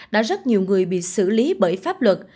đã rất nhiều người bị xử lý bởi pháp luật